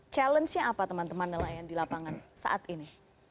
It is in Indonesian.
challenge nya apa teman teman nelayan di lapangan saat ini